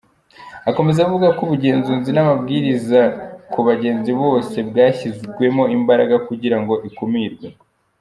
Akomeza avuga ko ubugenzuzi n’amabwiriza ku bagenzi bose bwashyizwemo imbaraga kugirango ikumirwe.